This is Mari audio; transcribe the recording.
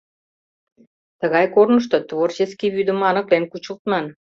Тыгай корнышто «творческий вӱдым» аныклен кучылтман.